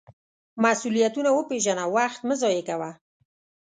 مسؤلیتونه وپیژنه، وخت مه ضایغه کوه.